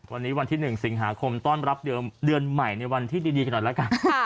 วันนี้วันที่๑สิงหาคมต้อนรับเดือนใหม่ในวันที่ดีกันหน่อยแล้วกัน